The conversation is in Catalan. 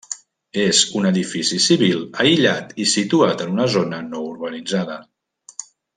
És un edifici civil aïllat i situat en una zona no urbanitzada.